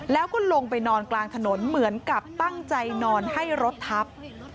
แล้วก็ลงไปนอนกลางถนนเหมือนกับตั้งใจนอนให้รถทับ